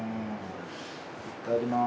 いただきます。